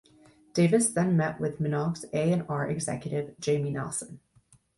Davis then met with Minogue's A and R executive, Jamie Nelson.